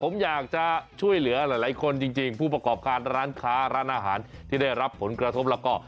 ผมอยากจะช่วยเหลือหลายคนจริงผู้ประกอบการร้านค้าร้านอาหารที่ได้รับผลกระทบแล้วก็